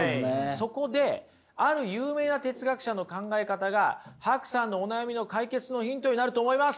そこである有名な哲学者の考え方がＨＡＫＵさんのお悩みの解決のヒントになると思います。